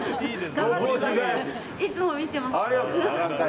いつも見てます。